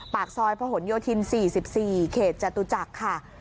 ปากซอยพะหนโยธิน๔๔เขตจตุจักรค่ะ